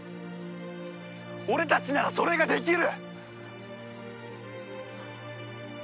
俺たちならそれができる！